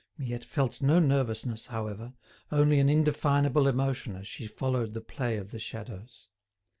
Miette felt no nervousness, however, only an indefinable emotion as she followed the play of the shadows.